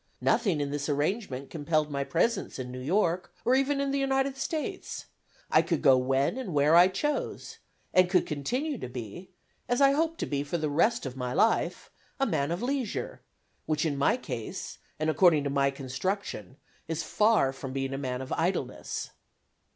Nothing in this arrangement compelled my presence in New York, or even in the United States; I could go when and where I chose, and could continue to be, as I hope to be for the rest of my life, "a man of leisure," which in my case, and according to my construction, is far from being a man of idleness.